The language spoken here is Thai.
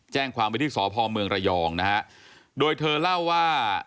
แจ้งความไปที่สพเมืองระยองนะฮะโดยเธอเล่าว่า